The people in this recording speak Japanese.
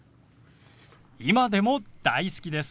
今でも大好きです。